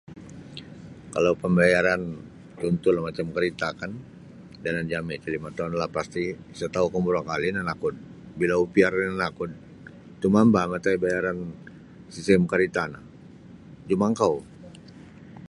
Kalau pambayaran contohlah macam kerita kan yanan jami ti lima ngotaun lalu lapas ti isa tau kamburo kali nanakud bila OPR ri nanakud tumambah patai bayaran CCM kereta no jumangkau.